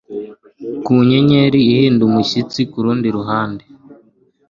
Ku nyenyeri ihinda umushyitsi kurundi ruhande